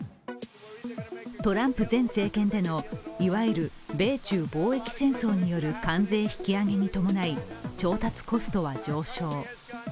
トランプ前政権でのいわゆる米中貿易戦争による関税引き上げに伴い調達コストは上昇。